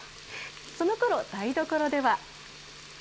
そのころ、台所では。